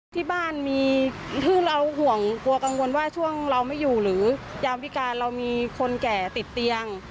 ที่บ้านมีคือเราห่วงกลัวกังวลว่าช่วงเราไม่อยู่หรือยามพิการเรามีคนแก่ติดเตียง